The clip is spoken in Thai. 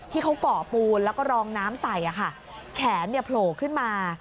ที่เขาก่อปูนแล้วก็รองน้ำใส่แขนโผล่ขึ้นมา